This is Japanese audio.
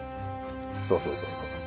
そうそうそうそう。